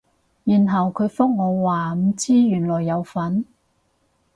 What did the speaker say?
然後佢覆我話唔知原來有分